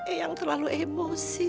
eyang terlalu emosi